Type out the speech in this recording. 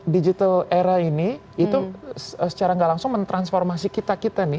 digital era ini itu secara gak langsung mentransformasi kita kita nih